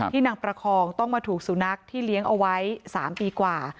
นางประคองต้องมาถูกสุนัขที่เลี้ยงเอาไว้๓ปีกว่า